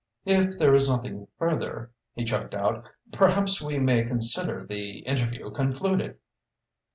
"If there is nothing further," he choked out, "perhaps we may consider the interview concluded?"